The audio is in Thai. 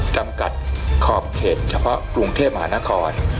จำกัดขอบเขตเฉพาะกรุงเทพมหานคร